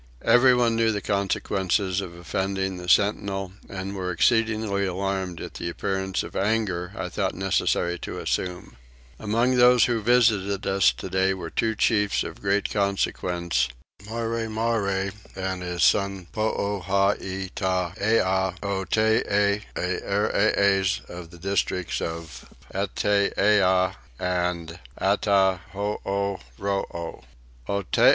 Everyone knew the consequence of offending the sentinel and were exceedingly alarmed at the appearance of anger I thought necessary to assume. Among those who visited us today were two chiefs of great consequence, Marremarre and his son Poohaitaiah Otee, Earees of the districts of Itteeah and Attahooroo.